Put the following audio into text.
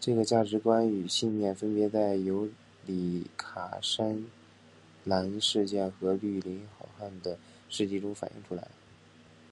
这个价值观与信念分别在尤里卡栅栏事件和绿林好汉的事迹中反映出来。